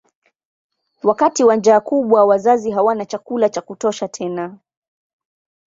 Wakati wa njaa kubwa wazazi hawana chakula cha kutosha tena.